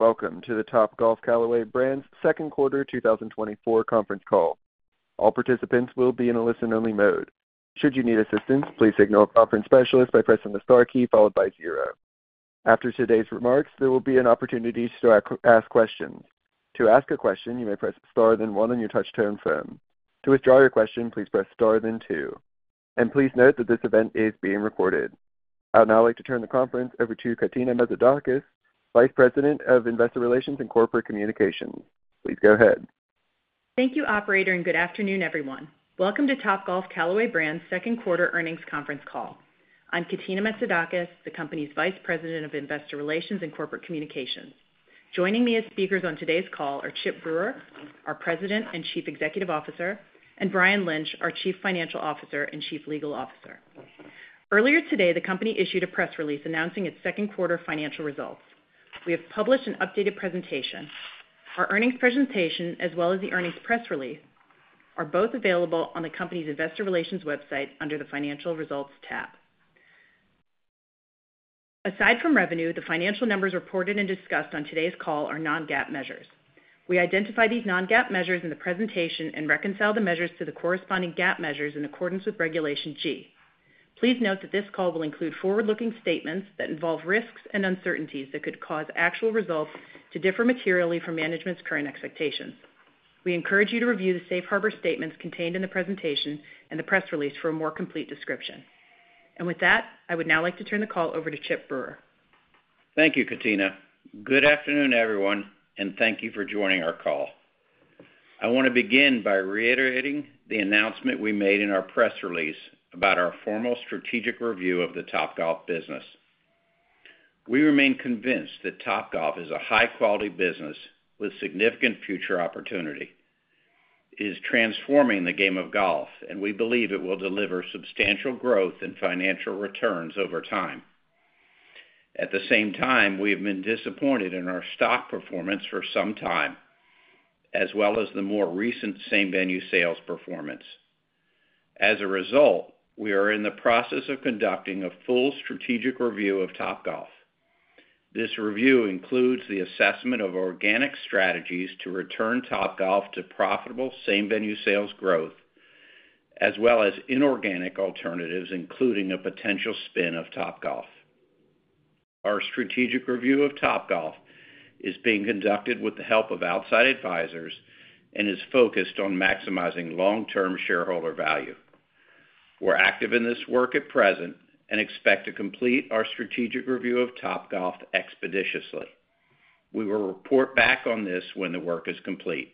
Welcome to the Topgolf Callaway Brands Second Quarter 2024 Conference Call. All participants will be in a listen-only mode. Should you need assistance, please signal a conference specialist by pressing the star key followed by zero. After today's remarks, there will be an opportunity to ask questions. To ask a question, you may press star then one on your touch-tone phone. To withdraw your question, please press star then two. And please note that this event is being recorded. I would now like to turn the conference over to Katina Metzidakis, Vice President of Investor Relations and Corporate Communications. Please go ahead. Thank you, Operator, and good afternoon, everyone. Welcome to Topgolf Callaway Brands second quarter earnings conference call. I'm Katina Metzidakis, the company's Vice President of Investor Relations and Corporate Communications. Joining me as speakers on today's call are Chip Brewer, our President and Chief Executive Officer, and Brian Lynch, our Chief Financial Officer and Chief Legal Officer. Earlier today, the company issued a press release announcing its second quarter financial results. We have published an updated presentation. Our earnings presentation, as well as the earnings press release, are both available on the company's Investor Relations website under the Financial Results tab. Aside from revenue, the financial numbers reported and discussed on today's call are Non-GAAP measures. We identify these Non-GAAP measures in the presentation and reconcile the measures to the corresponding GAAP measures in accordance with Regulation G. Please note that this call will include forward-looking statements that involve risks and uncertainties that could cause actual results to differ materially from management's current expectations. We encourage you to review the Safe Harbor statements contained in the presentation and the press release for a more complete description. With that, I would now like to turn the call over to Chip Brewer. Thank you, Katina. Good afternoon, everyone, and thank you for joining our call. I want to begin by reiterating the announcement we made in our press release about our formal strategic review of the Topgolf business. We remain convinced that Topgolf is a high-quality business with significant future opportunity. It is transforming the game of golf, and we believe it will deliver substantial growth and financial returns over time. At the same time, we have been disappointed in our stock performance for some time, as well as the more recent same-venue sales performance. As a result, we are in the process of conducting a full strategic review of Topgolf. This review includes the assessment of organic strategies to return Topgolf to profitable same-venue sales growth, as well as inorganic alternatives, including a potential spin of Topgolf. Our strategic review of Topgolf is being conducted with the help of outside advisors and is focused on maximizing long-term shareholder value. We're active in this work at present and expect to complete our strategic review of Topgolf expeditiously. We will report back on this when the work is complete.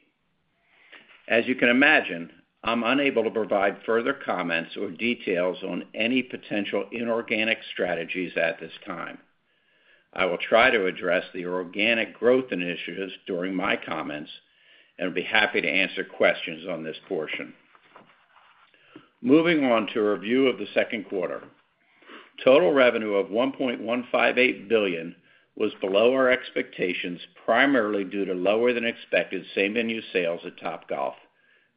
As you can imagine, I'm unable to provide further comments or details on any potential inorganic strategies at this time. I will try to address the organic growth initiatives during my comments and be happy to answer questions on this portion. Moving on to a review of the second quarter, total revenue of $1.158 billion was below our expectations primarily due to lower-than-expected same-venue sales at Topgolf,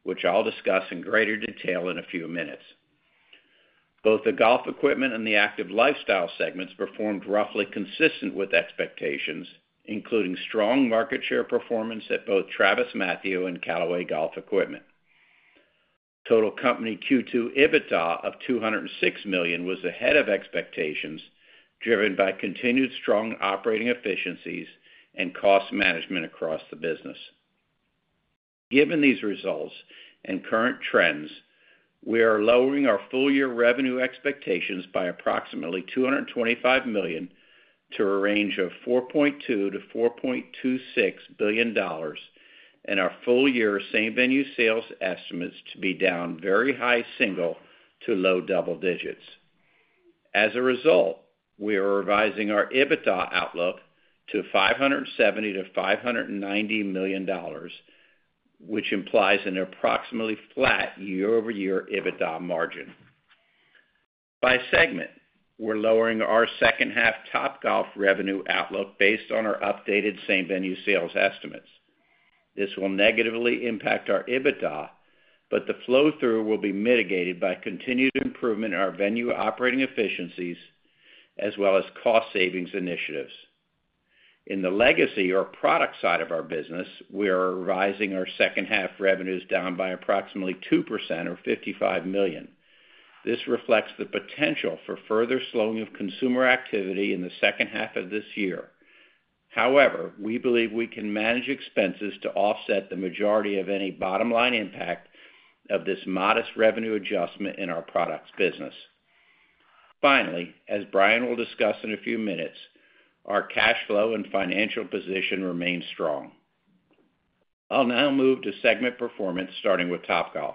which I'll discuss in greater detail in a few minutes. Both the golf equipment and the active lifestyle segments performed roughly consistent with expectations, including strong market share performance at both TravisMathew and Callaway Golf Equipment. Total company Q2 EBITDA of $206 million was ahead of expectations, driven by continued strong operating efficiencies and cost management across the business. Given these results and current trends, we are lowering our full-year revenue expectations by approximately $225 million to a range of $4.2-$4.26 billion and our full-year same-venue sales estimates to be down very high single to low double digits. As a result, we are revising our EBITDA outlook to $570-$590 million, which implies an approximately flat year-over-year EBITDA margin. By segment, we're lowering our second-half Topgolf revenue outlook based on our updated same-venue sales estimates. This will negatively impact our EBITDA, but the flow-through will be mitigated by continued improvement in our venue operating efficiencies as well as cost savings initiatives. In the legacy or product side of our business, we are revising our second-half revenues down by approximately 2% or $55 million. This reflects the potential for further slowing of consumer activity in the second half of this year. However, we believe we can manage expenses to offset the majority of any bottom-line impact of this modest revenue adjustment in our products business. Finally, as Brian will discuss in a few minutes, our cash flow and financial position remain strong. I'll now move to segment performance, starting with Topgolf.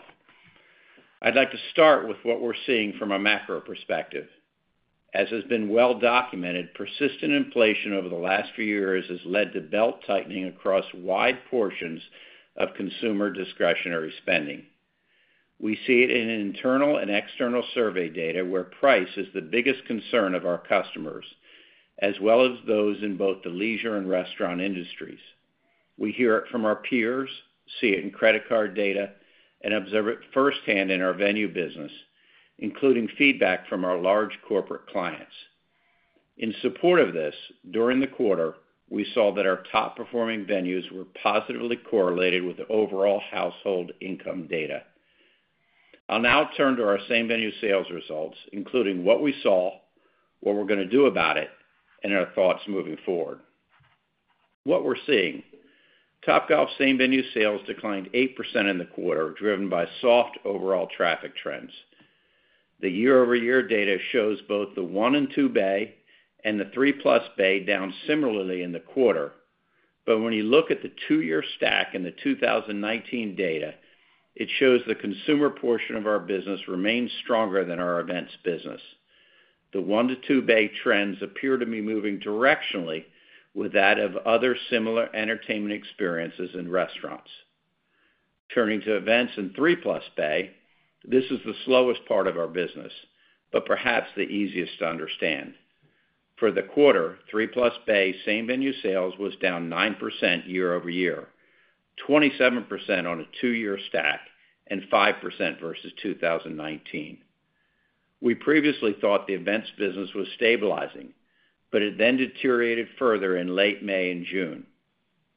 I'd like to start with what we're seeing from a macro perspective. As has been well documented, persistent inflation over the last few years has led to belt tightening across wide portions of consumer discretionary spending. We see it in internal and external survey data where price is the biggest concern of our customers, as well as those in both the leisure and restaurant industries. We hear it from our peers, see it in credit card data, and observe it firsthand in our venue business, including feedback from our large corporate clients. In support of this, during the quarter, we saw that our top-performing venues were positively correlated with overall household income data. I'll now turn to our same-venue sales results, including what we saw, what we're going to do about it, and our thoughts moving forward. What we're seeing: Topgolf's same-venue sales declined 8% in the quarter, driven by soft overall traffic trends. The year-over-year data shows both the one-and-two bay and the three-plus bay down similarly in the quarter. But when you look at the two-year stack and the 2019 data, it shows the consumer portion of our business remains stronger than our events business. The one-to-two bay trends appear to be moving directionally with that of other similar entertainment experiences and restaurants. Turning to events and three-plus bay, this is the slowest part of our business, but perhaps the easiest to understand. For the quarter, three-plus bay same-venue sales was down 9% year-over-year, 27% on a two-year stack, and 5% versus 2019. We previously thought the events business was stabilizing, but it then deteriorated further in late May and June.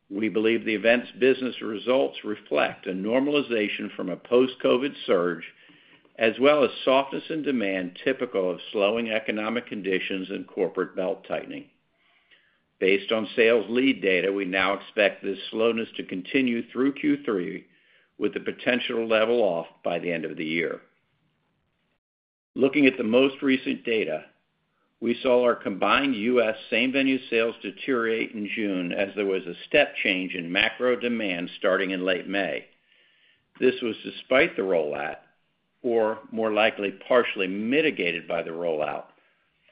We believe the events business results reflect a normalization from a post-COVID surge, as well as softness in demand typical of slowing economic conditions and corporate belt tightening. Based on sales lead data, we now expect this slowness to continue through Q3, with the potential to level off by the end of the year. Looking at the most recent data, we saw our combined U.S. same-venue sales deteriorate in June as there was a step change in macro demand starting in late May. This was despite the rollout, or more likely partially mitigated by the rollout,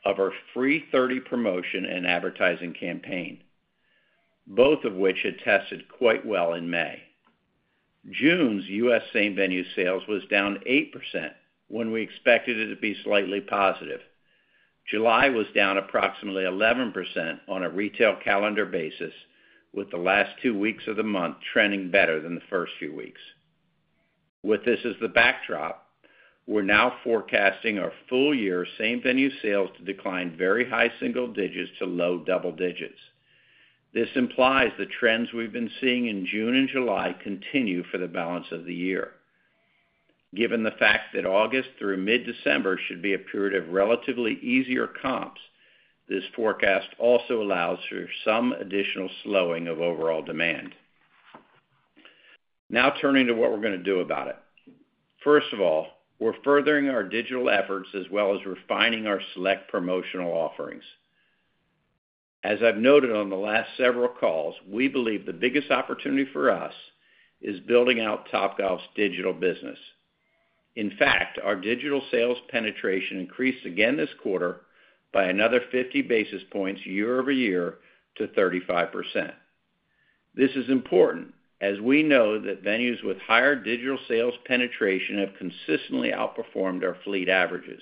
of our Free 30 promotion and advertising campaign, both of which had tested quite well in May. June's U.S. same-venue sales was down 8% when we expected it to be slightly positive. July was down approximately 11% on a retail calendar basis, with the last two weeks of the month trending better than the first few weeks. With this as the backdrop, we're now forecasting our full-year same-venue sales to decline very high single digits to low double digits. This implies the trends we've been seeing in June and July continue for the balance of the year. Given the fact that August through mid-December should be a period of relatively easier comps, this forecast also allows for some additional slowing of overall demand. Now turning to what we're going to do about it. First of all, we're furthering our digital efforts as well as refining our select promotional offerings. As I've noted on the last several calls, we believe the biggest opportunity for us is building out Topgolf's digital business. In fact, our digital sales penetration increased again this quarter by another 50 basis points year-over-year to 35%. This is important as we know that venues with higher digital sales penetration have consistently outperformed our fleet averages.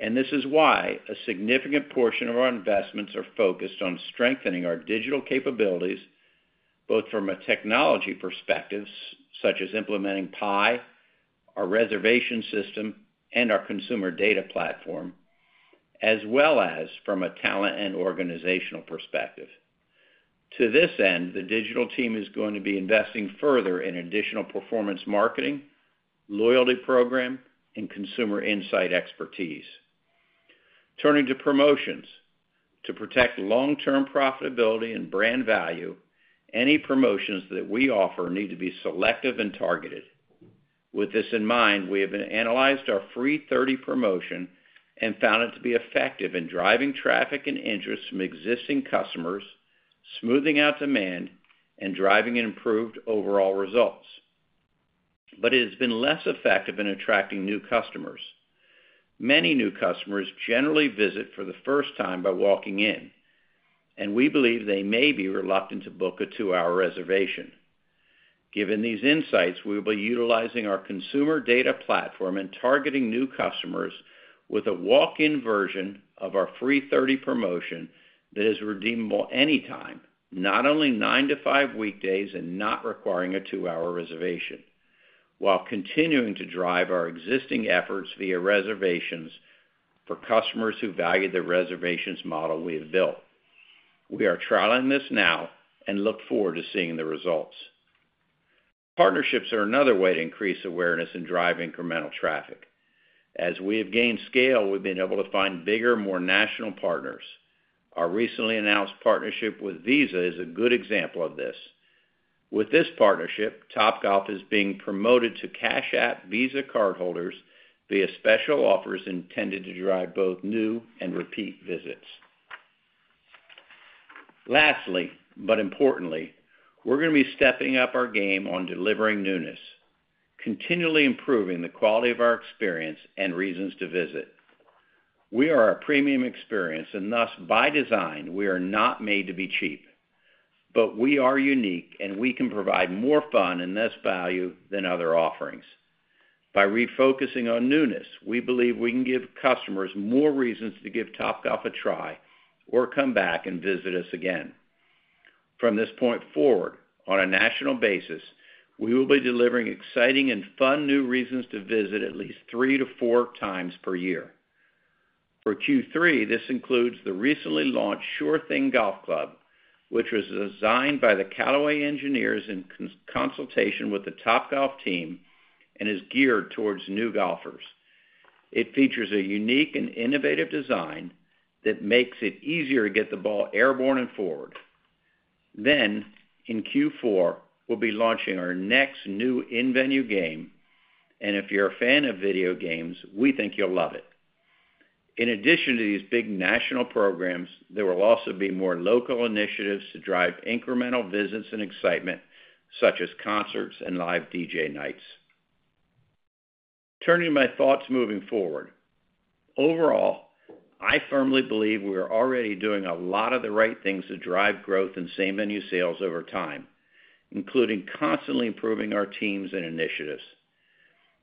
This is why a significant portion of our investments are focused on strengthening our digital capabilities, both from a technology perspective such as implementing Pi, our reservation system, and our consumer data platform, as well as from a talent and organizational perspective. To this end, the digital team is going to be investing further in additional performance marketing, loyalty program, and consumer insight expertise. Turning to promotions, to protect long-term profitability and brand value, any promotions that we offer need to be selective and targeted. With this in mind, we have analyzed our Free 30 promotion and found it to be effective in driving traffic and interest from existing customers, smoothing out demand, and driving improved overall results. It has been less effective in attracting new customers. Many new customers generally visit for the first time by walking in, and we believe they may be reluctant to book a 2-hour reservation. Given these insights, we will be utilizing our consumer data platform and targeting new customers with a walk-in version of our Free 30 promotion that is redeemable anytime, not only 9 to 5 weekdays and not requiring a 2-hour reservation, while continuing to drive our existing efforts via reservations for customers who value the reservations model we have built. We are trialing this now and look forward to seeing the results. Partnerships are another way to increase awareness and drive incremental traffic. As we have gained scale, we've been able to find bigger, more national partners. Our recently announced partnership with Visa is a good example of this. With this partnership, Topgolf is being promoted to Cash App Visa cardholders via special offers intended to drive both new and repeat visits. Lastly, but importantly, we're going to be stepping up our game on delivering newness, continually improving the quality of our experience and reasons to visit. We are a premium experience, and thus, by design, we are not made to be cheap. But we are unique, and we can provide more fun and less value than other offerings. By refocusing on newness, we believe we can give customers more reasons to give Topgolf a try or come back and visit us again. From this point forward, on a national basis, we will be delivering exciting and fun new reasons to visit at least three to four times per year. For Q3, this includes the recently launched Sure Thing golf club, which was designed by the Callaway engineers in consultation with the Topgolf team and is geared towards new golfers. It features a unique and innovative design that makes it easier to get the ball airborne and forward. Then, in Q4, we'll be launching our next new in-venue game, and if you're a fan of video games, we think you'll love it. In addition to these big national programs, there will also be more local initiatives to drive incremental visits and excitement, such as concerts and live DJ nights. Turning to my thoughts moving forward, overall, I firmly believe we are already doing a lot of the right things to drive growth in same-venue sales over time, including constantly improving our teams and initiatives.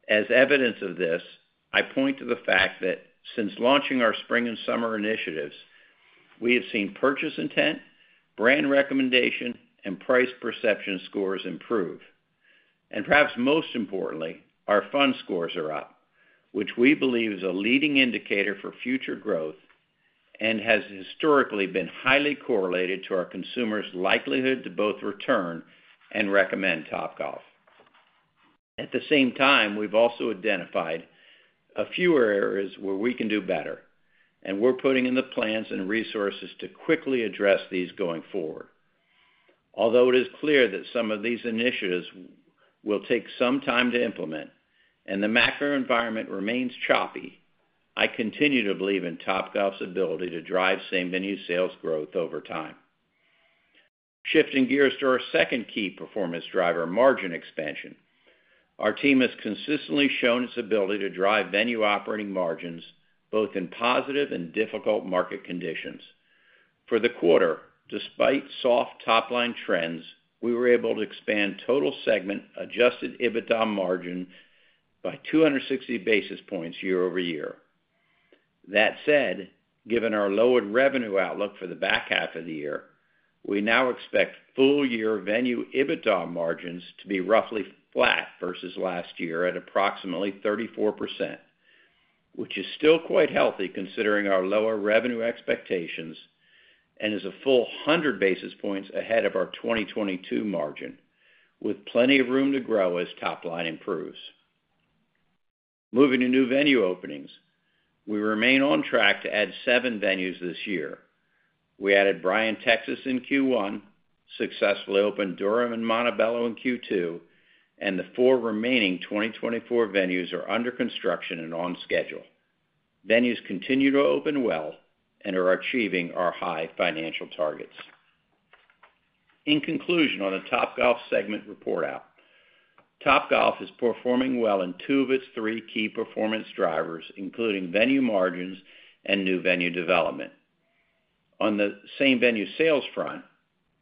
As evidence of this, I point to the fact that since launching our spring and summer initiatives, we have seen purchase intent, brand recommendation, and price perception scores improve. Perhaps most importantly, our Fun scores are up, which we believe is a leading indicator for future growth and has historically been highly correlated to our consumers' likelihood to both return and recommend Topgolf. At the same time, we've also identified a few areas where we can do better, and we're putting in the plans and resources to quickly address these going forward. Although it is clear that some of these initiatives will take some time to implement and the macro environment remains choppy, I continue to believe in Topgolf's ability to drive same-venue sales growth over time. Shifting gears to our second key performance driver, margin expansion, our team has consistently shown its ability to drive venue operating margins both in positive and difficult market conditions. For the quarter, despite soft top-line trends, we were able to expand total segment adjusted EBITDA margin by 260 basis points year-over-year. That said, given our lowered revenue outlook for the back half of the year, we now expect full-year venue EBITDA margins to be roughly flat versus last year at approximately 34%, which is still quite healthy considering our lower revenue expectations and is a full 100 basis points ahead of our 2022 margin, with plenty of room to grow as top-line improves. Moving to new venue openings, we remain on track to add seven venues this year. We added Bryan, Texas in Q1, successfully opened Durham and Montebello in Q2, and the four remaining 2024 venues are under construction and on schedule. Venues continue to open well and are achieving our high financial targets. In conclusion, on the Topgolf segment report out, Topgolf is performing well in two of its three key performance drivers, including venue margins and new venue development. On the same-venue sales front,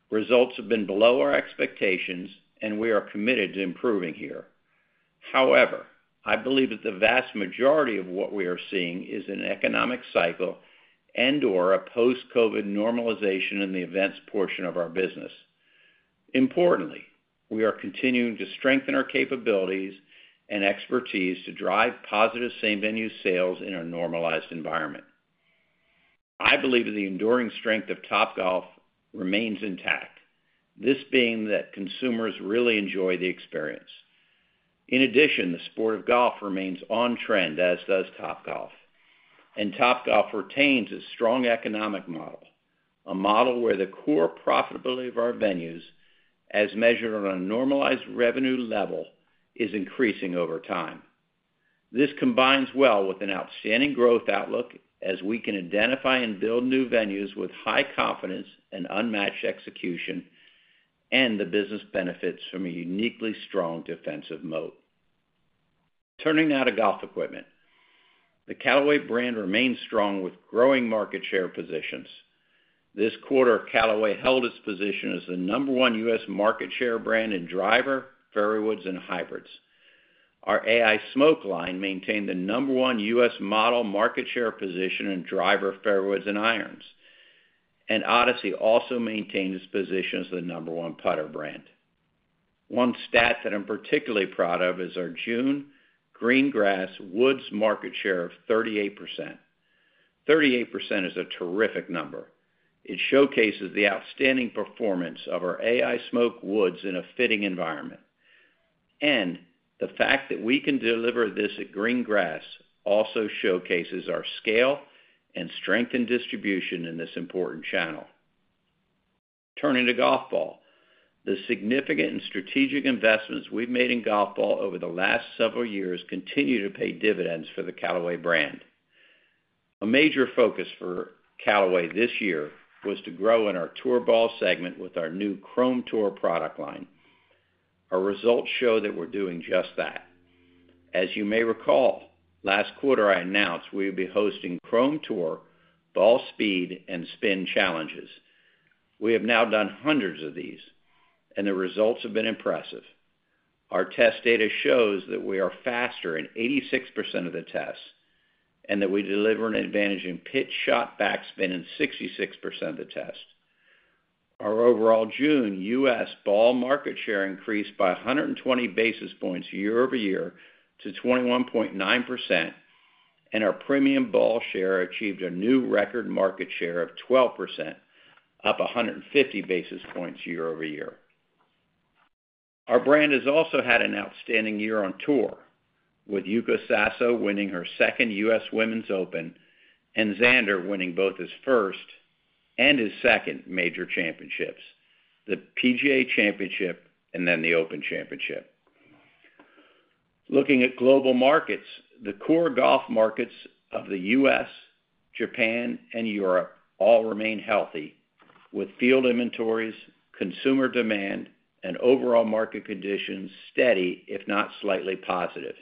results have been below our expectations, and we are committed to improving here. However, I believe that the vast majority of what we are seeing is an economic cycle and/or a post-COVID normalization in the events portion of our business. Importantly, we are continuing to strengthen our capabilities and expertise to drive positive same-venue sales in a normalized environment. I believe that the enduring strength of Topgolf remains intact, this being that consumers really enjoy the experience. In addition, the sport of golf remains on trend, as does Topgolf. Topgolf retains a strong economic model, a model where the core profitability of our venues, as measured on a normalized revenue level, is increasing over time. This combines well with an outstanding growth outlook as we can identify and build new venues with high confidence and unmatched execution and the business benefits from a uniquely strong defensive moat. Turning now to golf equipment, the Callaway brand remains strong with growing market share positions. This quarter, Callaway held its position as the number one U.S. market share brand in drivers, fairway woods, and hybrids. Our Ai Smoke line maintained the number one U.S. model market share position in drivers, fairway woods, and irons. Odyssey also maintained its position as the number one putter brand. One stat that I'm particularly proud of is our June green grass woods market share of 38%. 38% is a terrific number. It showcases the outstanding performance of our Ai Smoke woods in a fitting environment. And the fact that we can deliver this at green grass also showcases our scale and strength in distribution in this important channel. Turning to golf ball, the significant and strategic investments we've made in golf ball over the last several years continue to pay dividends for the Callaway brand. A major focus for Callaway this year was to grow in our tour ball segment with our new Chrome Tour product line. Our results show that we're doing just that. As you may recall, last quarter I announced we would be hosting Chrome Tour, Ball Speed, and Spin Challenges. We have now done hundreds of these, and the results have been impressive. Our test data shows that we are faster in 86% of the tests and that we deliver an advantage in pitch shot backspin in 66% of the tests. Our overall June U.S. ball market share increased by 120 basis points year-over-year to 21.9%, and our premium ball share achieved a new record market share of 12%, up 150 basis points year-over-year. Our brand has also had an outstanding year on tour, with Yuka Saso winning her second U.S. Women's Open and Xander Schauffele winning both his first and his second major championships, the PGA Championship and then the Open Championship. Looking at global markets, the core golf markets of the U.S., Japan, and Europe all remain healthy, with field inventories, consumer demand, and overall market conditions steady, if not slightly positive.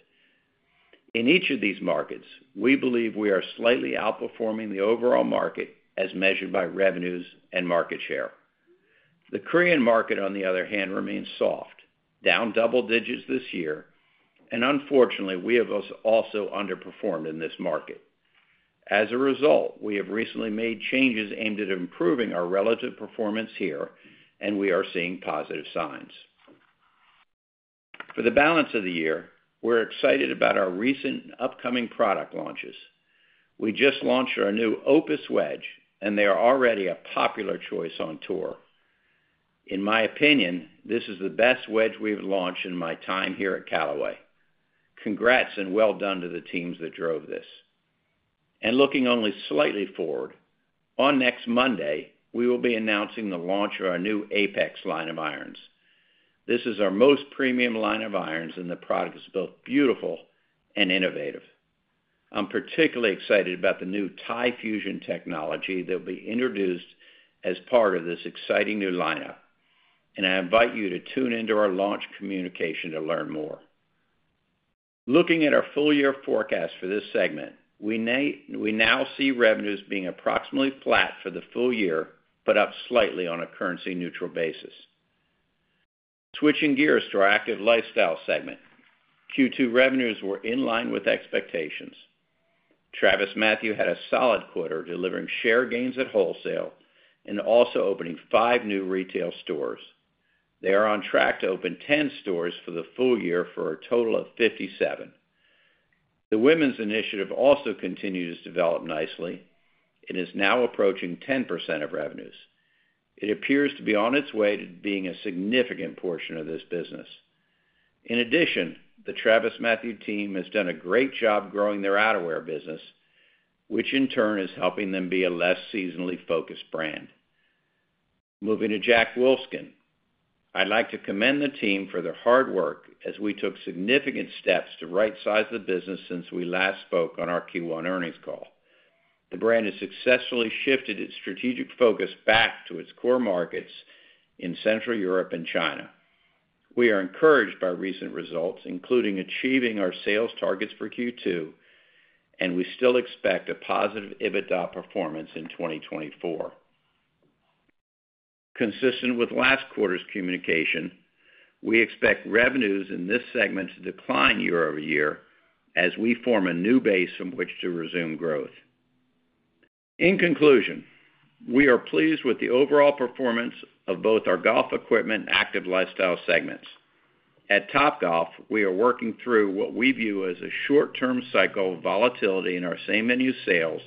In each of these markets, we believe we are slightly outperforming the overall market as measured by revenues and market share. The Korean market, on the other hand, remains soft, down double digits this year, and unfortunately, we have also underperformed in this market. As a result, we have recently made changes aimed at improving our relative performance here, and we are seeing positive signs. For the balance of the year, we're excited about our recent upcoming product launches. We just launched our new Opus wedge, and they are already a popular choice on tour. In my opinion, this is the best wedge we've launched in my time here at Callaway. Congrats and well done to the teams that drove this. And looking only slightly forward, on next Monday, we will be announcing the launch of our new Apex line of irons. This is our most premium line of irons, and the product is both beautiful and innovative. I'm particularly excited about the new Ti Fusion technology that will be introduced as part of this exciting new lineup, and I invite you to tune into our launch communication to learn more. Looking at our full-year forecast for this segment, we now see revenues being approximately flat for the full year, but up slightly on a currency-neutral basis. Switching gears to our active lifestyle segment, Q2 revenues were in line with expectations. TravisMathew had a solid quarter delivering share gains at wholesale and also opening 5 new retail stores. They are on track to open 10 stores for the full year for a total of 57. The women's initiative also continues to develop nicely. It is now approaching 10% of revenues. It appears to be on its way to being a significant portion of this business. In addition, the TravisMathew team has done a great job growing their outerwear business, which in turn is helping them be a less seasonally focused brand. Moving to Jack Wolfskin, I'd like to commend the team for their hard work as we took significant steps to right-size the business since we last spoke on our Q1 earnings call. The brand has successfully shifted its strategic focus back to its core markets in Central Europe and China. We are encouraged by recent results, including achieving our sales targets for Q2, and we still expect a positive EBITDA performance in 2024. Consistent with last quarter's communication, we expect revenues in this segment to decline year-over-year as we form a new base from which to resume growth. In conclusion, we are pleased with the overall performance of both our golf equipment and active lifestyle segments. At Topgolf, we are working through what we view as a short-term cycle of volatility in our same-venue sales,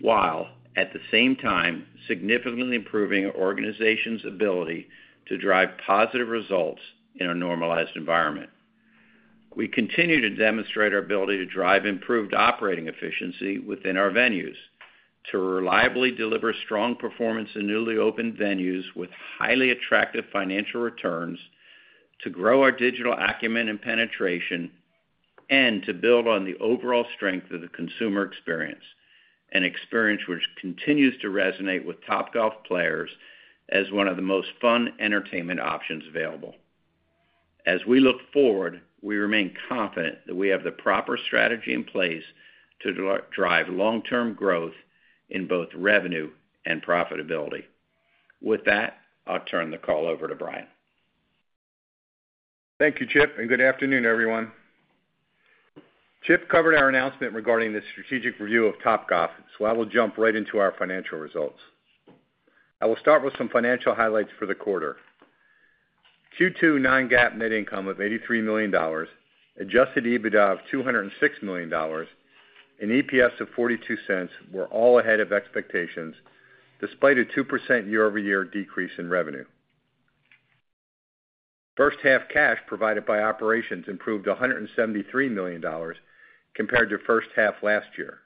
while at the same time, significantly improving our organization's ability to drive positive results in a normalized environment. We continue to demonstrate our ability to drive improved operating efficiency within our venues, to reliably deliver strong performance in newly opened venues with highly attractive financial returns, to grow our digital acumen and penetration, and to build on the overall strength of the consumer experience, an experience which continues to resonate with Topgolf players as one of the most fun entertainment options available. As we look forward, we remain confident that we have the proper strategy in place to drive long-term growth in both revenue and profitability. With that, I'll turn the call over to Brian. Thank you, Chip, and good afternoon, everyone. Chip covered our announcement regarding the strategic review of Topgolf, so I will jump right into our financial results. I will start with some financial highlights for the quarter. Q2 non-GAAP net income of $83 million, adjusted EBITDA of $206 million, and EPS of $0.42 were all ahead of expectations despite a 2% year-over-year decrease in revenue. First-half cash provided by operations improved $173 million compared to first-half last year.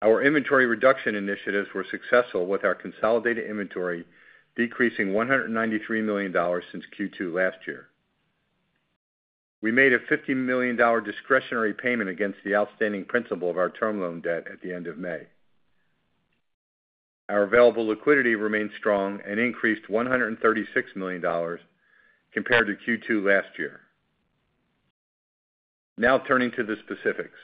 Our inventory reduction initiatives were successful with our consolidated inventory decreasing $193 million since Q2 last year. We made a $50 million discretionary payment against the outstanding principal of our term loan debt at the end of May. Our available liquidity remained strong and increased $136 million compared to Q2 last year. Now turning to the specifics.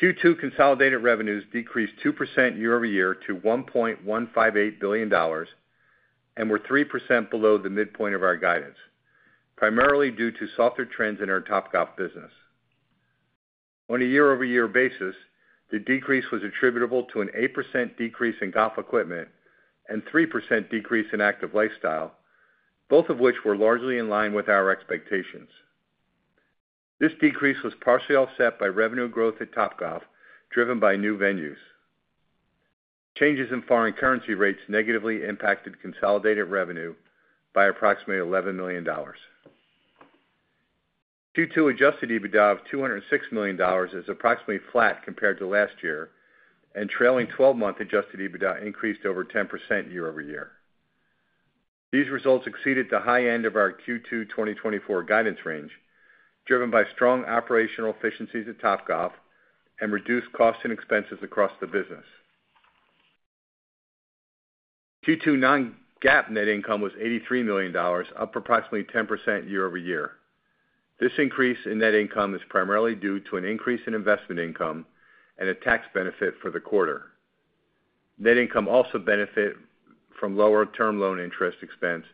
Q2 consolidated revenues decreased 2% year-over-year to $1.158 billion and were 3% below the midpoint of our guidance, primarily due to softer trends in our Topgolf business. On a year-over-year basis, the decrease was attributable to an 8% decrease in golf equipment and 3% decrease in active lifestyle, both of which were largely in line with our expectations. This decrease was partially offset by revenue growth at Topgolf driven by new venues. Changes in foreign currency rates negatively impacted consolidated revenue by approximately $11 million. Q2 Adjusted EBITDA of $206 million is approximately flat compared to last year, and trailing 12-month Adjusted EBITDA increased over 10% year-over-year. These results exceeded the high end of our Q2 2024 guidance range, driven by strong operational efficiencies at Topgolf and reduced costs and expenses across the business. Q2 non-GAAP net income was $83 million, up approximately 10% year-over-year. This increase in net income is primarily due to an increase in investment income and a tax benefit for the quarter. Net income also benefits from lower term loan interest expense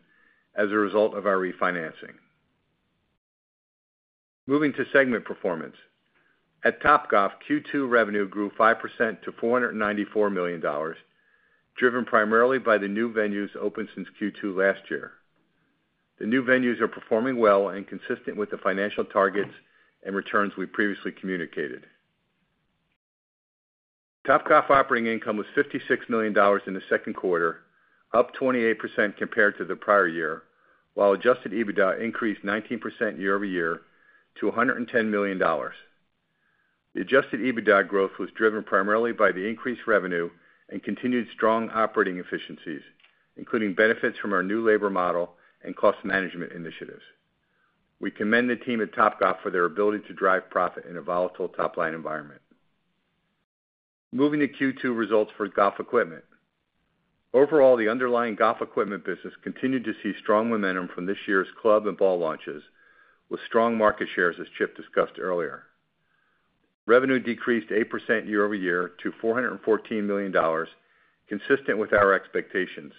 as a result of our refinancing. Moving to segment performance. At Topgolf, Q2 revenue grew 5% to $494 million, driven primarily by the new venues opened since Q2 last year. The new venues are performing well and consistent with the financial targets and returns we previously communicated. Topgolf operating income was $56 million in the second quarter, up 28% compared to the prior year, while Adjusted EBITDA increased 19% year-over-year to $110 million. The Adjusted EBITDA growth was driven primarily by the increased revenue and continued strong operating efficiencies, including benefits from our new labor model and cost management initiatives. We commend the team at Topgolf for their ability to drive profit in a volatile top-line environment. Moving to Q2 results for golf equipment. Overall, the underlying golf equipment business continued to see strong momentum from this year's club and ball launches, with strong market shares as Chip discussed earlier. Revenue decreased 8% year-over-year to $414 million, consistent with our expectations,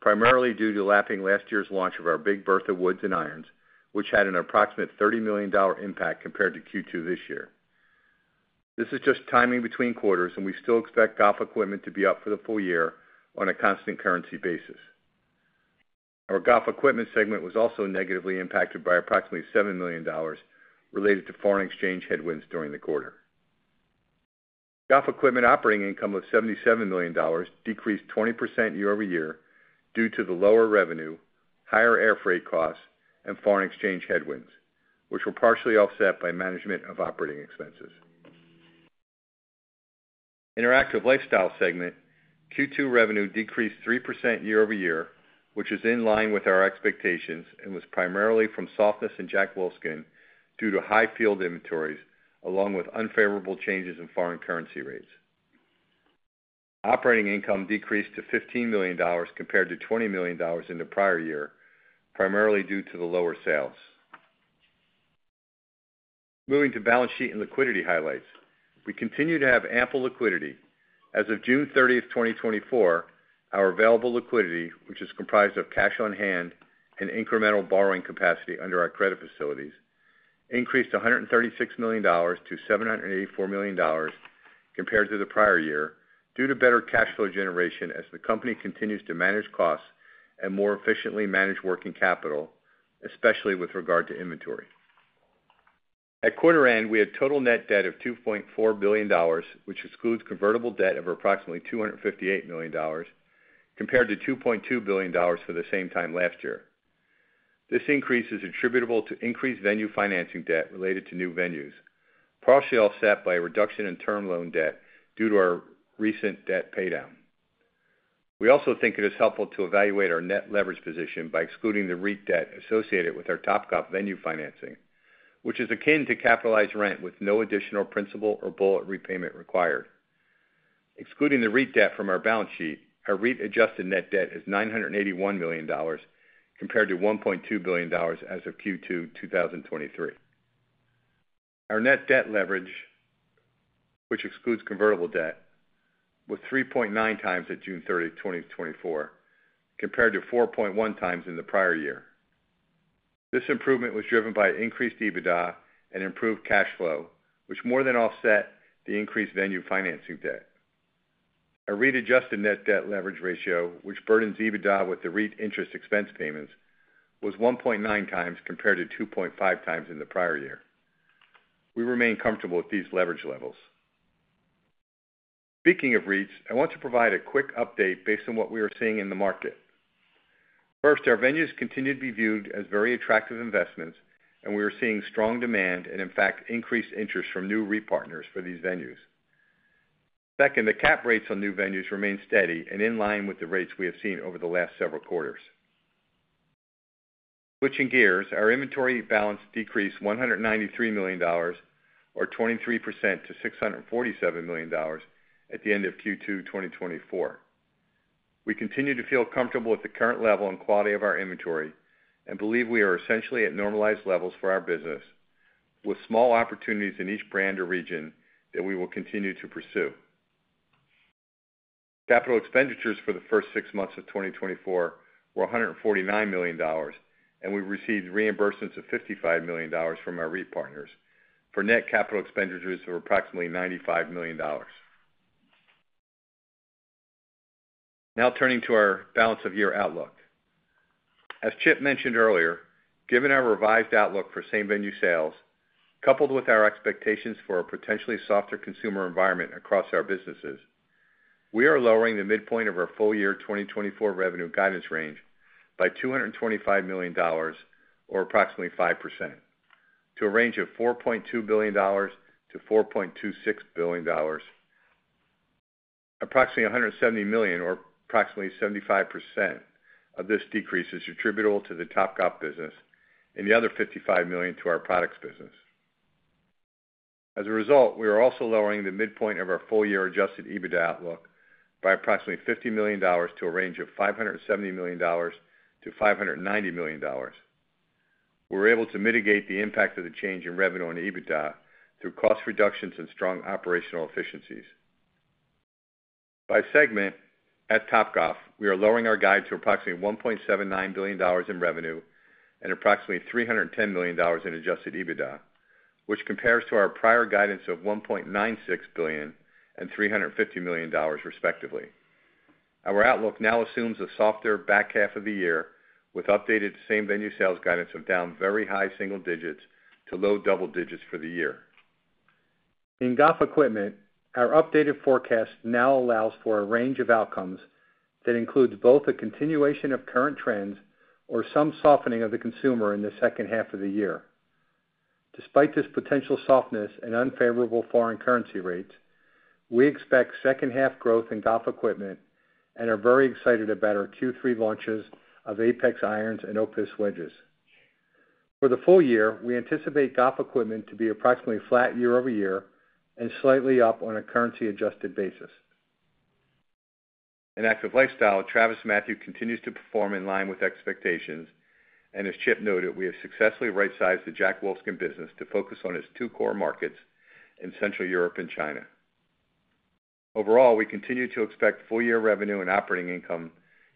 primarily due to lapping last year's launch of our Big Bertha woods and irons, which had an approximate $30 million impact compared to Q2 this year. This is just timing between quarters, and we still expect golf equipment to be up for the full year on a constant currency basis. Our golf equipment segment was also negatively impacted by approximately $7 million related to foreign exchange headwinds during the quarter. Golf equipment operating income of $77 million decreased 20% year-over-year due to the lower revenue, higher air freight costs, and foreign exchange headwinds, which were partially offset by management of operating expenses. In our active lifestyle segment, Q2 revenue decreased 3% year-over-year, which is in line with our expectations and was primarily from softness in Jack Wolfskin due to high field inventories along with unfavorable changes in foreign currency rates. Operating income decreased to $15 million compared to $20 million in the prior year, primarily due to the lower sales. Moving to balance sheet and liquidity highlights. We continue to have ample liquidity. As of June 30, 2024, our available liquidity, which is comprised of cash on hand and incremental borrowing capacity under our credit facilities, increased $136 million to $784 million compared to the prior year due to better cash flow generation as the company continues to manage costs and more efficiently manage working capital, especially with regard to inventory. At quarter end, we had total net debt of $2.4 billion, which excludes convertible debt of approximately $258 million compared to $2.2 billion for the same time last year. This increase is attributable to increased venue financing debt related to new venues, partially offset by a reduction in term loan debt due to our recent debt paydown. We also think it is helpful to evaluate our net leverage position by excluding the REIT debt associated with our Topgolf venue financing, which is akin to capitalized rent with no additional principal or bullet repayment required. Excluding the REIT debt from our balance sheet, our REIT adjusted net debt is $981 million compared to $1.2 billion as of Q2 2023. Our net debt leverage, which excludes convertible debt, was 3.9 times at June 30, 2024, compared to 4.1 times in the prior year. This improvement was driven by increased EBITDA and improved cash flow, which more than offset the increased venue financing debt. Our REIT adjusted net debt leverage ratio, which burdens EBITDA with the REIT interest expense payments, was 1.9 times compared to 2.5 times in the prior year. We remain comfortable with these leverage levels. Speaking of REITs, I want to provide a quick update based on what we are seeing in the market. First, our venues continue to be viewed as very attractive investments, and we are seeing strong demand and, in fact, increased interest from new REIT partners for these venues. Second, the cap rates on new venues remain steady and in line with the rates we have seen over the last several quarters. Switching gears, our inventory balance decreased $193 million, or 23% to $647 million at the end of Q2 2024. We continue to feel comfortable with the current level and quality of our inventory and believe we are essentially at normalized levels for our business, with small opportunities in each brand or region that we will continue to pursue. Capital expenditures for the first six months of 2024 were $149 million, and we received reimbursements of $55 million from our REIT partners for net capital expenditures of approximately $95 million. Now turning to our balance of year outlook. As Chip mentioned earlier, given our revised outlook for same-venue sales, coupled with our expectations for a potentially softer consumer environment across our businesses, we are lowering the midpoint of our full year 2024 revenue guidance range by $225 million, or approximately 5%, to a range of $4.2 billion-$4.26 billion. Approximately $170 million, or approximately 75% of this decrease is attributable to the Topgolf business and the other $55 million to our products business. As a result, we are also lowering the midpoint of our full year adjusted EBITDA outlook by approximately $50 million to a range of $570 million-$590 million. We were able to mitigate the impact of the change in revenue on EBITDA through cost reductions and strong operational efficiencies. By segment, at Topgolf, we are lowering our guide to approximately $1.79 billion in revenue and approximately $310 million in adjusted EBITDA, which compares to our prior guidance of $1.96 billion and $350 million, respectively. Our outlook now assumes a softer back half of the year, with updated same-venue sales guidance of down very high single digits to low double digits for the year. In golf equipment, our updated forecast now allows for a range of outcomes that includes both a continuation of current trends or some softening of the consumer in the second half of the year. Despite this potential softness and unfavorable foreign currency rates, we expect second-half growth in golf equipment and are very excited about our Q3 launches of Apex irons and Opus wedges. For the full year, we anticipate golf equipment to be approximately flat year-over-year and slightly up on a currency-adjusted basis. In active lifestyle, TravisMathew continues to perform in line with expectations, and as Chip noted, we have successfully right-sized the Jack Wolfskin business to focus on its two core markets in Central Europe and China. Overall, we continue to expect full year revenue and operating income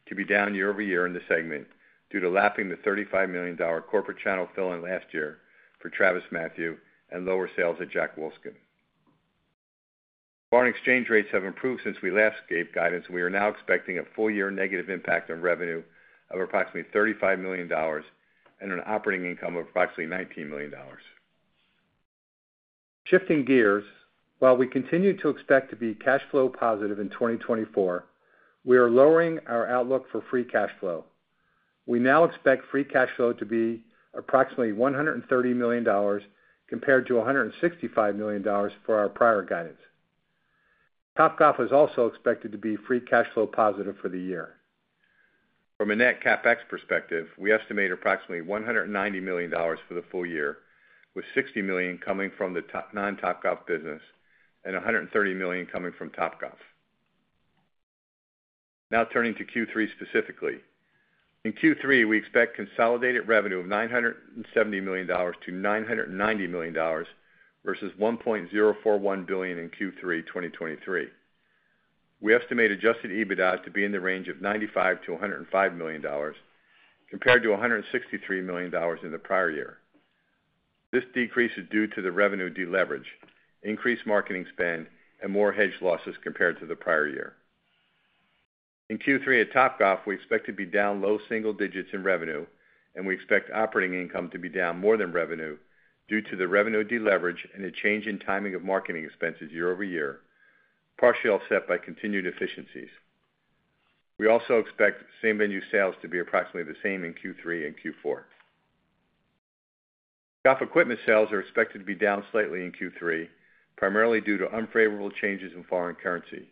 to be down year-over-year in the segment due to lapping the $35 million corporate channel fill-in last year for TravisMathew and lower sales at Jack Wolfskin. Foreign exchange rates have improved since we last gave guidance, and we are now expecting a full year negative impact on revenue of approximately $35 million and an operating income of approximately $19 million. Shifting gears, while we continue to expect to be cash flow positive in 2024, we are lowering our outlook for free cash flow. We now expect free cash flow to be approximately $130 million compared to $165 million for our prior guidance. Topgolf is also expected to be free cash flow positive for the year. From a net CapEx perspective, we estimate approximately $190 million for the full year, with $60 million coming from the non-Topgolf business and $130 million coming from Topgolf. Now turning to Q3 specifically. In Q3, we expect consolidated revenue of $970-$990 million versus $1.041 billion in Q3 2023. We estimate Adjusted EBITDA to be in the range of $95-$105 million compared to $163 million in the prior year. This decrease is due to the revenue deleverage, increased marketing spend, and more hedge losses compared to the prior year. In Q3 at Topgolf, we expect to be down low single digits in revenue, and we expect operating income to be down more than revenue due to the revenue deleverage and a change in timing of marketing expenses year-over-year, partially offset by continued efficiencies. We also expect same-venue sales to be approximately the same in Q3 and Q4. Golf equipment sales are expected to be down slightly in Q3, primarily due to unfavorable changes in foreign currency.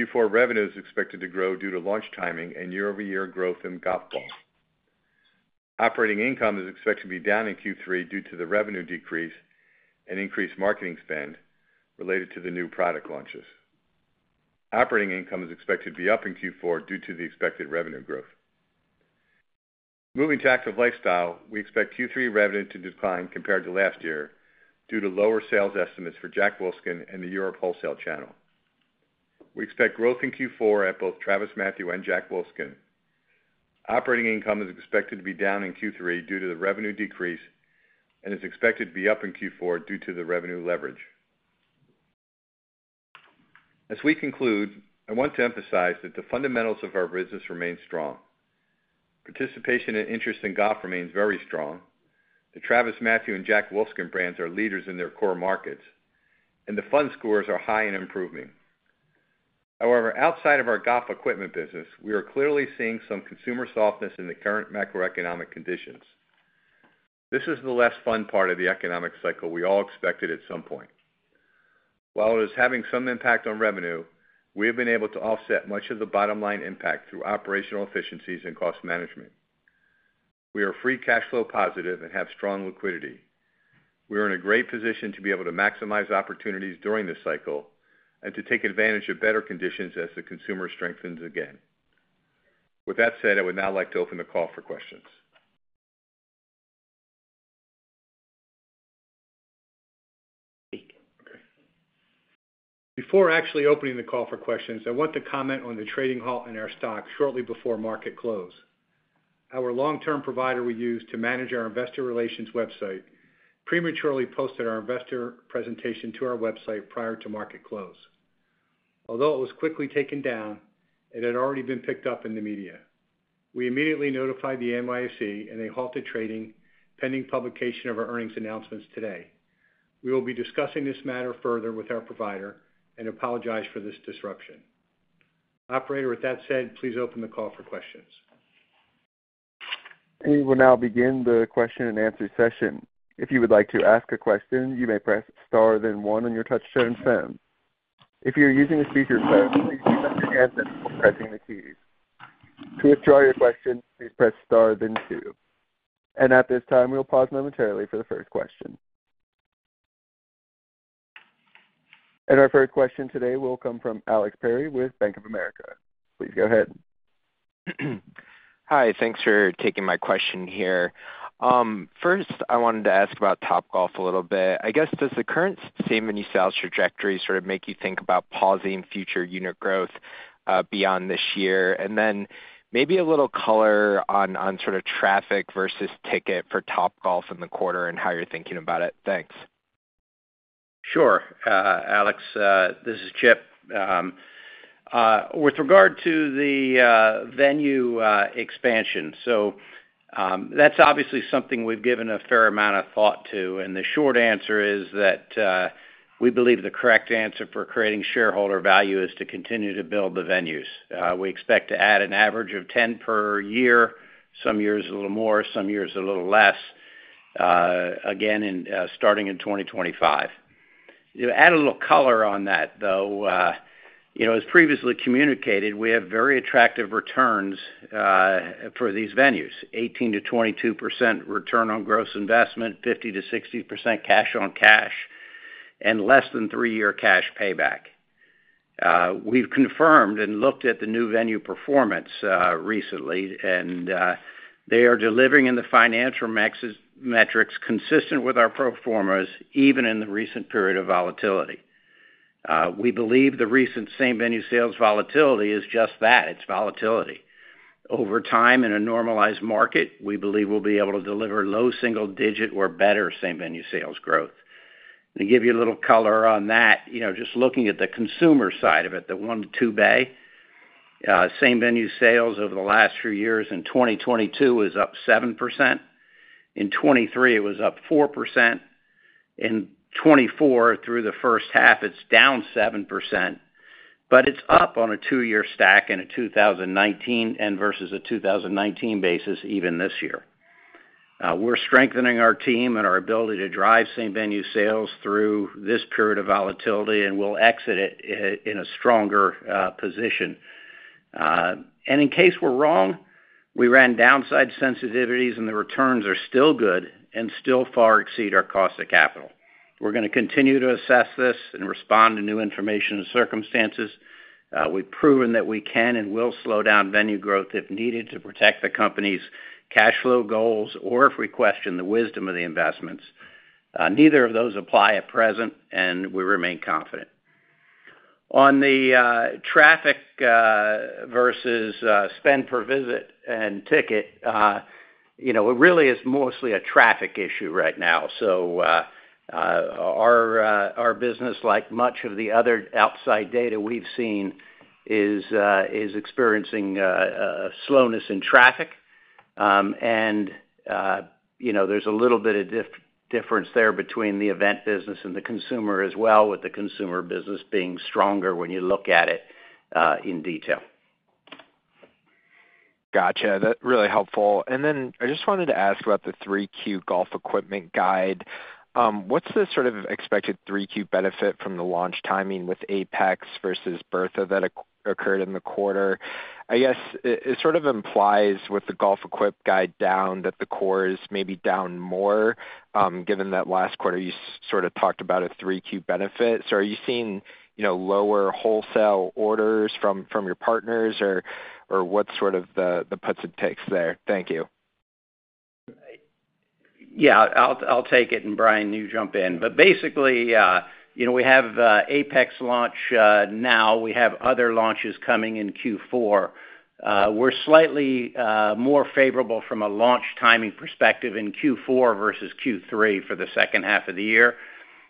Q4 revenue is expected to grow due to launch timing and year-over-year growth in golf ball. Operating income is expected to be down in Q3 due to the revenue decrease and increased marketing spend related to the new product launches. Operating income is expected to be up in Q4 due to the expected revenue growth. Moving to active lifestyle, we expect Q3 revenue to decline compared to last year due to lower sales estimates for Jack Wolfskin and the Europe wholesale channel. We expect growth in Q4 at both TravisMathew and Jack Wolfskin. Operating income is expected to be down in Q3 due to the revenue decrease and is expected to be up in Q4 due to the revenue leverage. As we conclude, I want to emphasize that the fundamentals of our business remain strong. Participation and interest in golf remains very strong. The TravisMathew and Jack Wolfskin brands are leaders in their core markets, and the Fun scores are high and improving. However, outside of our golf equipment business, we are clearly seeing some consumer softness in the current macroeconomic conditions. This is the less fun part of the economic cycle we all expected at some point. While it is having some impact on revenue, we have been able to offset much of the bottom-line impact through operational efficiencies and cost management. We are free cash flow positive and have strong liquidity. We are in a great position to be able to maximize opportunities during this cycle and to take advantage of better conditions as the consumer strengthens again. With that said, I would now like to open the call for questions. Before actually opening the call for questions, I want to comment on the trading halt in our stock shortly before market close. Our long-term provider we use to manage our investor relations website prematurely posted our investor presentation to our website prior to market close. Although it was quickly taken down, it had already been picked up in the media. We immediately notified the NYSE, and they halted trading pending publication of our earnings announcements today. We will be discussing this matter further with our provider and apologize for this disruption. Operator, with that said, please open the call for questions. We will now begin the question and answer session. If you would like to ask a question, you may press star then one on your touchtone phone. If you're using a speakerphone, please pick up your handset before pressing the keys. To withdraw your question, please press star then two. At this time, we'll pause momentarily for the first question. Our first question today will come from Alex Perry with Bank of America. Please go ahead. Hi. Thanks for taking my question here. First, I wanted to ask about Topgolf a little bit. I guess, does the current same-venue sales trajectory sort of make you think about pausing future unit growth beyond this year? And then maybe a little color on sort of traffic versus ticket for Topgolf in the quarter and how you're thinking about it. Thanks. Sure. Alex, this is Chip. With regard to the venue expansion, so that's obviously something we've given a fair amount of thought to. And the short answer is that we believe the correct answer for creating shareholder value is to continue to build the venues. We expect to add an average of 10 per year. Some years a little more, some years a little less, again, starting in 2025. To add a little color on that, though, as previously communicated, we have very attractive returns for these venues: 18%-22% return on gross investment, 50%-60% cash on cash, and less than three-year cash payback. We've confirmed and looked at the new venue performance recently, and they are delivering in the financial metrics consistent with our performers, even in the recent period of volatility. We believe the recent same-venue sales volatility is just that. It's volatility. Over time in a normalized market, we believe we'll be able to deliver low single-digit or better same-venue sales growth. To give you a little color on that, just looking at the consumer side of it, the 1-2 bay, same-venue sales over the last few years in 2022 was up 7%. In 2023, it was up 4%. In 2024, through the first half, it's down 7%. But it's up on a two-year stack in 2019 and versus a 2019 basis even this year. We're strengthening our team and our ability to drive same-venue sales through this period of volatility, and we'll exit it in a stronger position. In case we're wrong, we ran downside sensitivities, and the returns are still good and still far exceed our cost of capital. We're going to continue to assess this and respond to new information and circumstances. We've proven that we can and will slow down venue growth if needed to protect the company's cash flow goals or if we question the wisdom of the investments. Neither of those apply at present, and we remain confident. On the traffic versus spend per visit and ticket, it really is mostly a traffic issue right now. So our business, like much of the other outside data we've seen, is experiencing slowness in traffic. And there's a little bit of difference there between the event business and the consumer as well, with the consumer business being stronger when you look at it in detail. Gotcha. That's really helpful. And then I just wanted to ask about the Q3 golf equipment guidance. What's the sort of expected Q3 benefit from the launch timing with Apex versus Bertha that occurred in the quarter? I guess it sort of implies with the golf equipment guidance down that the cores may be down more, given that last quarter you sort of talked about a Q3 benefit. So are you seeing lower wholesale orders from your partners, or what's sort of the puts and takes there? Thank you. Yeah. I'll take it, and Brian, you jump in. But basically, we have Apex launch now. We have other launches coming in Q4. We're slightly more favorable from a launch timing perspective in Q4 versus Q3 for the second half of the year.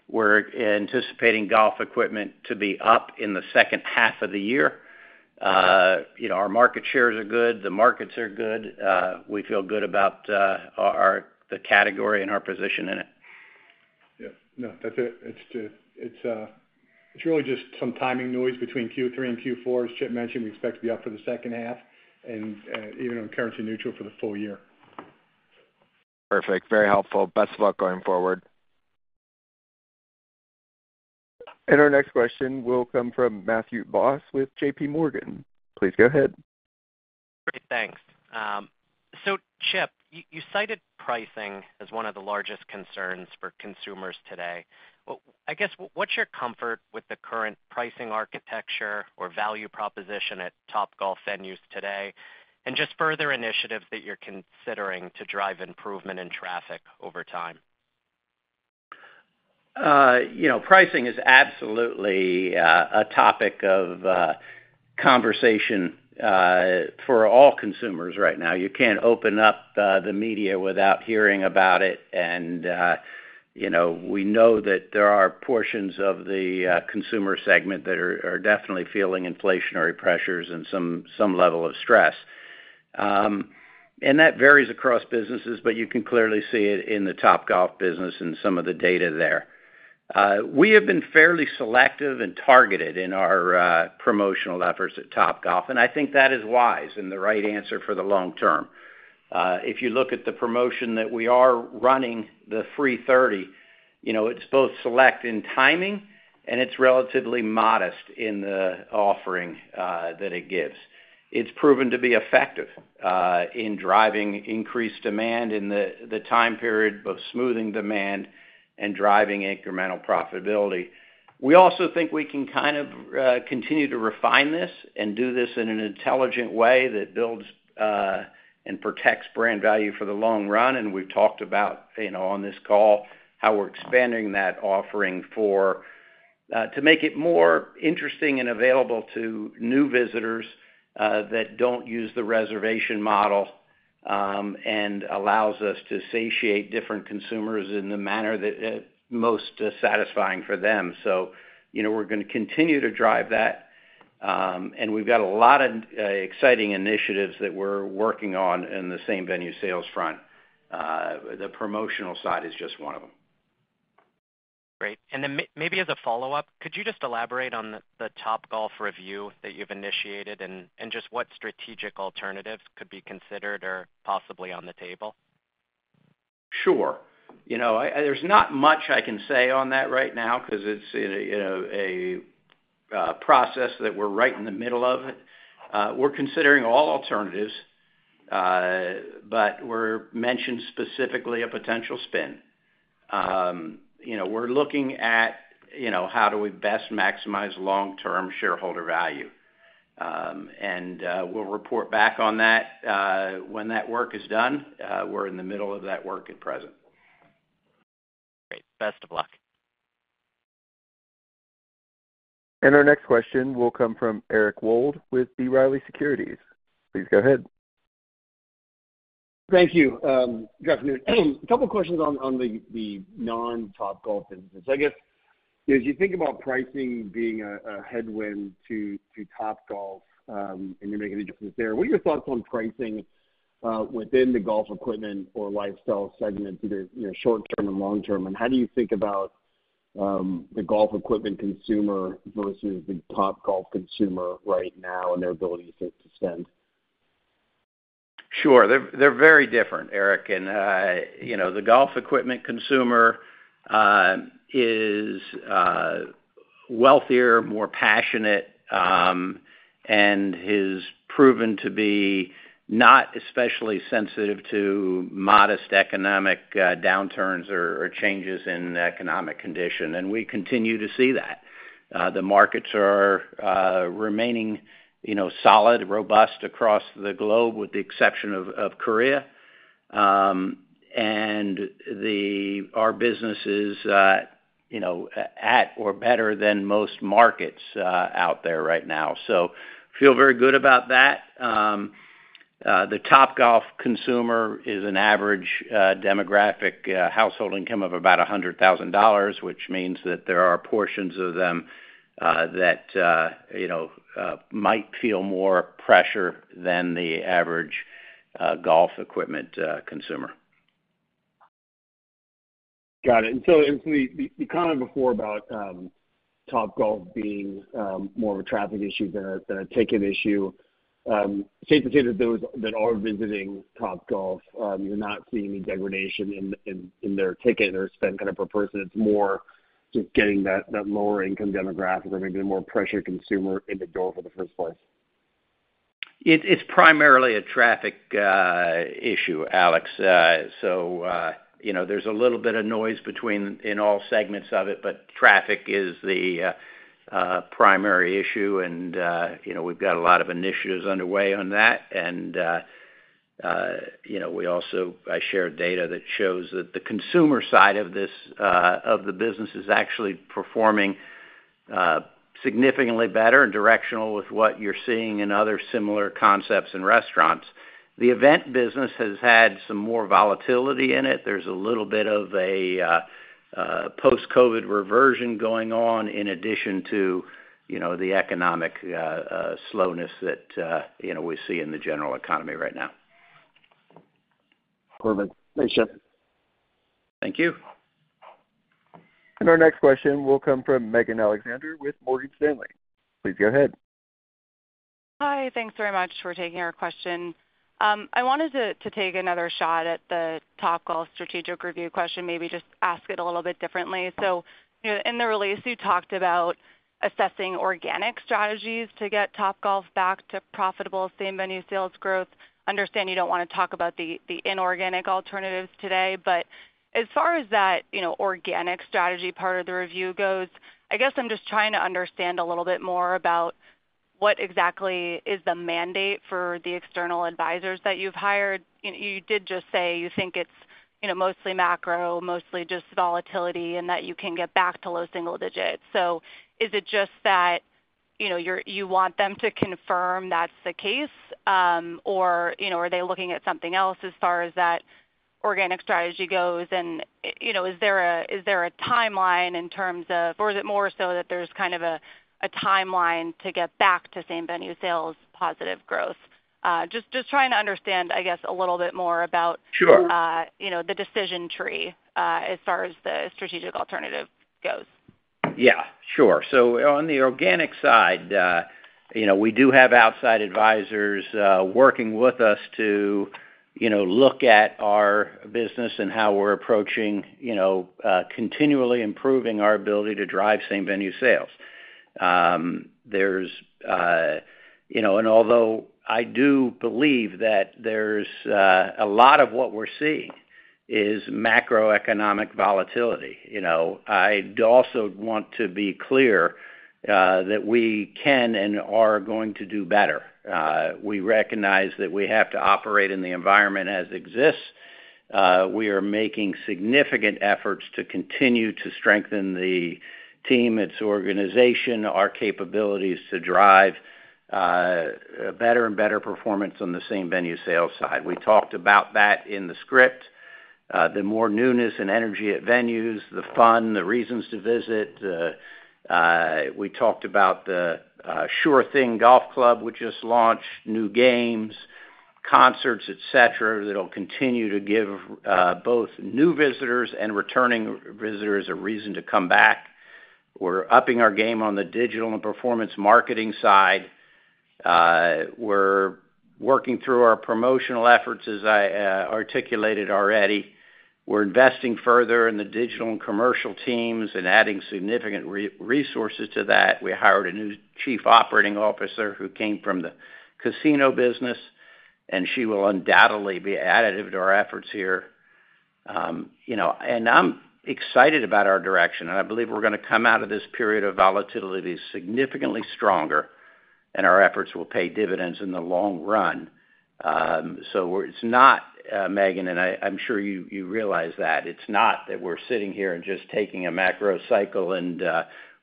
We're anticipating golf equipment to be up in the second half of the year. Our market shares are good. The markets are good. We feel good about the category and our position in it. Yeah. No, that's it. It's really just some timing noise between Q3 and Q4. As Chip mentioned, we expect to be up for the second half and even on currency neutral for the full year. Perfect. Very helpful. Best of luck going forward. And our next question will come from Matthew Boss with JPMorgan. Please go ahead. Great. Thanks. So Chip, you cited pricing as one of the largest concerns for consumers today. I guess, what's your comfort with the current pricing architecture or value proposition at Topgolf venues today and just further initiatives that you're considering to drive improvement in traffic over time? Pricing is absolutely a topic of conversation for all consumers right now. You can't open up the media without hearing about it. We know that there are portions of the consumer segment that are definitely feeling inflationary pressures and some level of stress. That varies across businesses, but you can clearly see it in the Topgolf business and some of the data there. We have been fairly selective and targeted in our promotional efforts at Topgolf, and I think that is wise and the right answer for the long term. If you look at the promotion that we are running, the free 30, it's both select in timing, and it's relatively modest in the offering that it gives. It's proven to be effective in driving increased demand in the time period, both smoothing demand and driving incremental profitability. We also think we can kind of continue to refine this and do this in an intelligent way that builds and protects brand value for the long run. And we've talked about on this call how we're expanding that offering to make it more interesting and available to new visitors that don't use the reservation model and allows us to satiate different consumers in the manner that is most satisfying for them. So we're going to continue to drive that. And we've got a lot of exciting initiatives that we're working on in the same-venue sales front. The promotional side is just one of them. Great. And then maybe as a follow-up, could you just elaborate on the Topgolf review that you've initiated and just what strategic alternatives could be considered or possibly on the table? Sure. There's not much I can say on that right now because it's a process that we're right in the middle of. We're considering all alternatives, but we're mentioning specifically a potential spin. We're looking at how do we best maximize long-term shareholder value. And we'll report back on that when that work is done. We're in the middle of that work at present. Great. Best of luck. And our next question will come from Eric Wold with B. Riley Securities. Please go ahead. Thank you, Chip. A couple of questions on the non-Topgolf businesses. I guess, as you think about pricing being a headwind to Topgolf and you're making the difference there, what are your thoughts on pricing within the golf equipment or lifestyle segment, either short-term or long-term? And how do you think about the golf equipment consumer versus the Topgolf consumer right now and their ability to spend? Sure. They're very different, Eric. And the golf equipment consumer is wealthier, more passionate, and has proven to be not especially sensitive to modest economic downturns or changes in economic condition. And we continue to see that. The markets are remaining solid, robust across the globe with the exception of Korea. And our business is at or better than most markets out there right now. So I feel very good about that. The Topgolf consumer is an average demographic household income of about $100,000, which means that there are portions of them that might feel more pressure than the average golf equipment consumer. Got it. And so the comment before about Topgolf being more of a traffic issue than a ticket issue, safe to say that those that are visiting Topgolf, you're not seeing any degradation in their ticket or spend kind of per person. It's more just getting that lower-income demographic or maybe the more pressure consumer in the door for the first place. It's primarily a traffic issue, Alex. So there's a little bit of noise in all segments of it, but traffic is the primary issue. And we've got a lot of initiatives underway on that. We also share data that shows that the consumer side of the business is actually performing significantly better and directional with what you're seeing in other similar concepts and restaurants. The event business has had some more volatility in it. There's a little bit of a post-COVID reversion going on in addition to the economic slowness that we see in the general economy right now. Perfect. Thanks, Chip. Thank you. Our next question will come from Megan Alexander with Morgan Stanley. Please go ahead. Hi. Thanks very much for taking our question. I wanted to take another shot at the Topgolf strategic review question, maybe just ask it a little bit differently. In the release, you talked about assessing organic strategies to get Topgolf back to profitable same-venue sales growth. I understand you don't want to talk about the inorganic alternatives today. But as far as that organic strategy part of the review goes, I guess I'm just trying to understand a little bit more about what exactly is the mandate for the external advisors that you've hired. You did just say you think it's mostly macro, mostly just volatility, and that you can get back to low single digits. So is it just that you want them to confirm that's the case, or are they looking at something else as far as that organic strategy goes? And is there a timeline in terms of, or is it more so that there's kind of a timeline to get back to same-venue sales positive growth? Just trying to understand, I guess, a little bit more about the decision tree as far as the strategic alternative goes. Yeah. Sure. On the organic side, we do have outside advisors working with us to look at our business and how we're approaching continually improving our ability to drive same-venue sales. And although I do believe that a lot of what we're seeing is macroeconomic volatility, I also want to be clear that we can and are going to do better. We recognize that we have to operate in the environment as it exists. We are making significant efforts to continue to strengthen the team, its organization, our capabilities to drive better and better performance on the same-venue sales side. We talked about that in the script. The more newness and energy at venues, the fun, the reasons to visit. We talked about the Sure Thing golf club, which just launched new games, concerts, etc., that will continue to give both new visitors and returning visitors a reason to come back. We're upping our game on the digital and performance marketing side. We're working through our promotional efforts, as I articulated already. We're investing further in the digital and commercial teams and adding significant resources to that. We hired a new chief operating officer who came from the casino business, and she will undoubtedly be additive to our efforts here. I'm excited about our direction. I believe we're going to come out of this period of volatility significantly stronger, and our efforts will pay dividends in the long run. So it's not, Megan, and I'm sure you realize that, it's not that we're sitting here and just taking a macro cycle and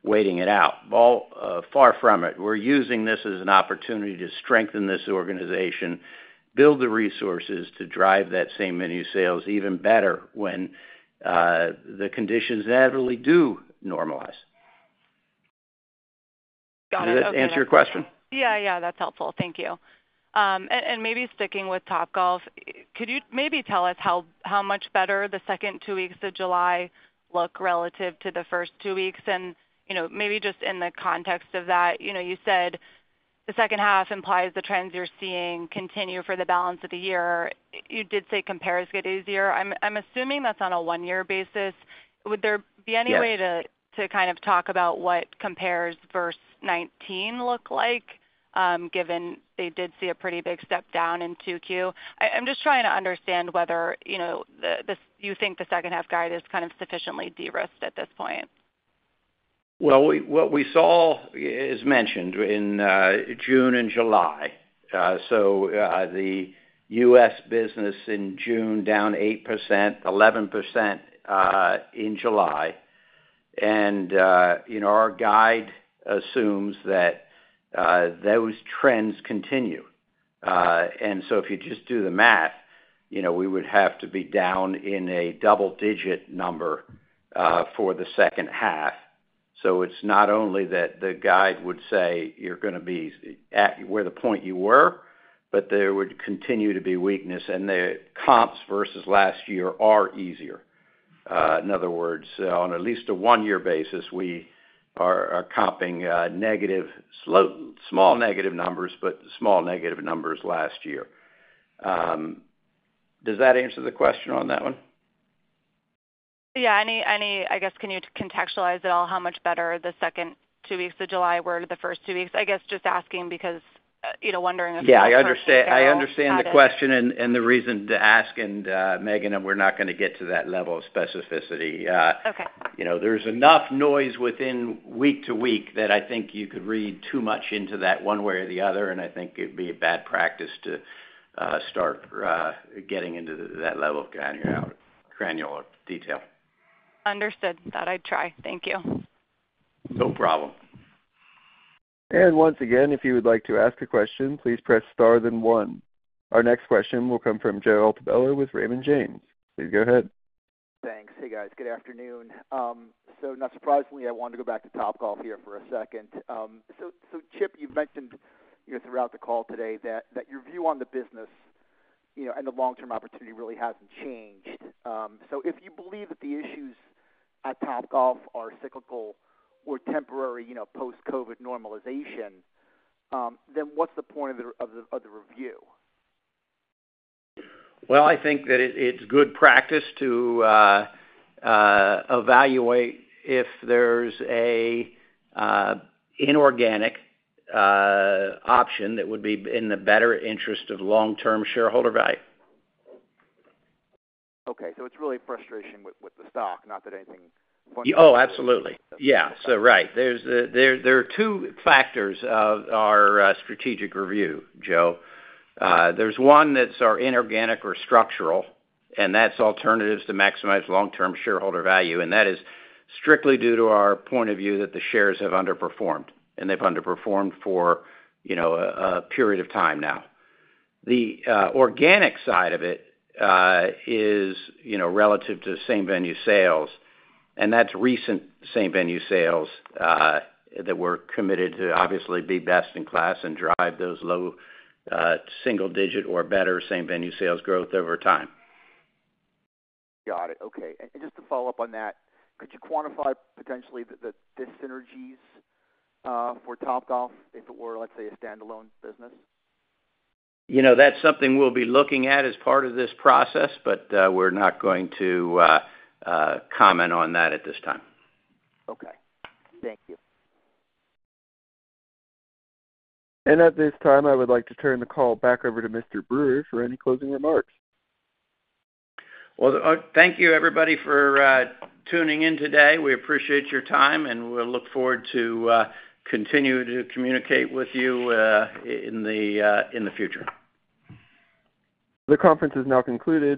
waiting it out. Far from it. We're using this as an opportunity to strengthen this organization, build the resources to drive that same-venue sales even better when the conditions inevitably do normalize. Does that answer your question? Yeah. Yeah. That's helpful. Thank you. And maybe sticking with Topgolf, could you maybe tell us how much better the second two weeks of July look relative to the first two weeks? And maybe just in the context of that, you said the second half implies the trends you're seeing continue for the balance of the year. You did say compares get easier. I'm assuming that's on a one-year basis. Would there be any way to kind of talk about what compares versus 2019 look like, given they did see a pretty big step down in Q2? I'm just trying to understand whether you think the second-half guide is kind of sufficiently de-risked at this point. Well, what we saw is mentioned in June and July. So the U.S. business in June down 8%, 11% in July. And our guide assumes that those trends continue. And so if you just do the math, we would have to be down in a double-digit number for the second half. So it's not only that the guide would say you're going to be at where the point you were, but there would continue to be weakness. And the comps versus last year are easier. In other words, on at least a one-year basis, we are comping negative, small negative numbers, but small negative numbers last year. Does that answer the question on that one? Yeah. I guess, can you contextualize at all how much better the second two weeks of July were to the first two weeks? I guess just asking because wondering if you understand. Yeah. I understand the question and the reason to ask. And Megan, we're not going to get to that level of specificity. There's enough noise within week to week that I think you could read too much into that one way or the other. And I think it would be a bad practice to start getting into that level of granular detail. Understood. That I'd try. Thank you. No problem. And once again, if you would like to ask a question, please press star then one. Our next question will come from Joseph Altobello with Raymond James. Please go ahead. Thanks. Hey, guys. Good afternoon. So not surprisingly, I wanted to go back to Topgolf here for a second. So Chip, you've mentioned throughout the call today that your view on the business and the long-term opportunity really hasn't changed. So if you believe that the issues at Topgolf are cyclical or temporary post-COVID normalization, then what's the point of the review? Well, I think that it's good practice to evaluate if there's an inorganic option that would be in the better interest of long-term shareholder value. Okay. So it's really frustration with the stock, not that anything fun. Oh, absolutely. Yeah. So right. There are two factors of our strategic review, Joe. There's one that's our inorganic or structural, and that's alternatives to maximize long-term shareholder value. And that is strictly due to our point of view that the shares have underperformed, and they've underperformed for a period of time now. The organic side of it is relative to same-venue sales, and that's recent same-venue sales that we're committed to obviously be best in class and drive those low single-digit or better same-venue sales growth over time. Got it. Okay. Just to follow up on that, could you quantify potentially the synergies for Topgolf if it were, let's say, a standalone business? That's something we'll be looking at as part of this process, but we're not going to comment on that at this time. Okay. Thank you. At this time, I would like to turn the call back over to Mr. Brewer for any closing remarks. Well, thank you, everybody, for tuning in today. We appreciate your time, and we'll look forward to continuing to communicate with you in the future. The conference is now concluded.